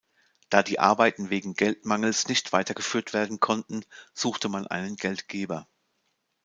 Da die Arbeiten wegen Geldmangels nicht weitergeführt werden konnten, suchte man einen Geldgeber.